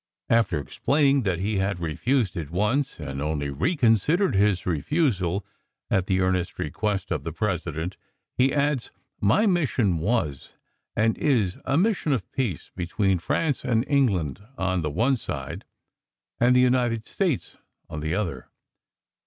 After explaining that he had refused it once and only reconsidered his refusal at the earnest request of the President, he adds: "My mission was and is a mission of peace between France and England on the one side, and the United States on the other.